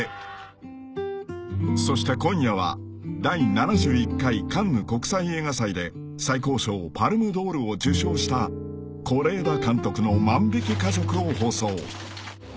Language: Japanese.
［そして今夜は第７１回カンヌ国際映画祭で最高賞パルムドールを受賞した是枝監督の『万引き家族』を放送］